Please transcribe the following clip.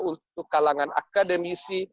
untuk kalangan akademisi